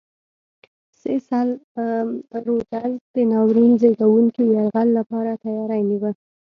سیسل رودز د ناورین زېږوونکي یرغل لپاره تیاری نیوه.